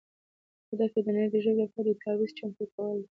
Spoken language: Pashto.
هدف یې د نړۍ د ژبو لپاره د ډیټابیس چمتو کول دي.